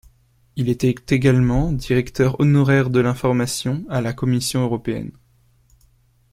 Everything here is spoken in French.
Il était également directeur honoraire de l'information à la Commission européenne.